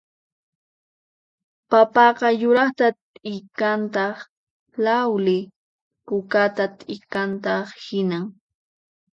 Papaqa yuraqta t'ikantaq llawli pukata t'ikantaq hinan